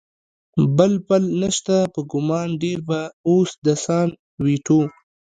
بل پل نشته، په ګمان ډېر به اوس د سان وېټو.